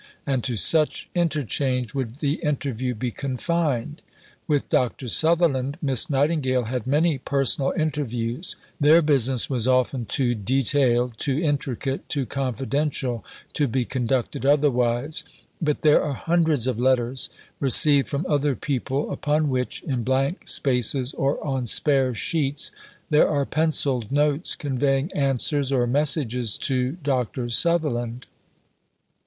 And to such interchange would the interview be confined. With Dr. Sutherland, Miss Nightingale had many personal interviews; their business was often too detailed, too intricate, too confidential, to be conducted otherwise; but there are hundreds of letters, received from other people, upon which (in blank spaces or on spare sheets) there are pencilled notes conveying answers or messages to Dr. Sutherland.